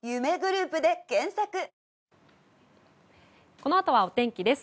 このあとはお天気です。